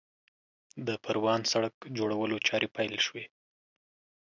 د پروان سړک جوړولو چارې پیل شوې